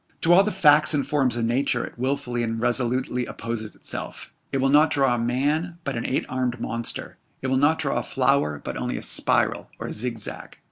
To all the facts and forms of nature it wilfully and resolutely opposes itself; it will not draw a man, but an eight armed monster; it will not draw a flower, but only a spiral or a zigzag.